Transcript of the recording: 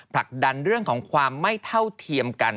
ผลักดันเรื่องของความไม่เท่าเทียมกัน